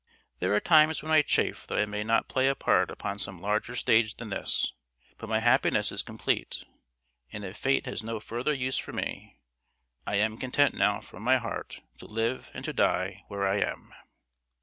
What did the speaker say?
There are times when I chafe that I may not play a part upon some larger stage than this; but my happiness is complete, and if fate has no further use for me, I am content now from my heart to live and to die where I am.